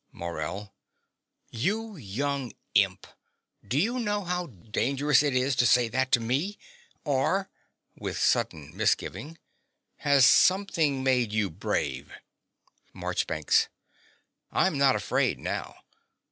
MORELL. You young imp, do you know how dangerous it is to say that to me? Or (with a sudden misgiving) has something made you brave? MARCHBANKS. I'm not afraid now.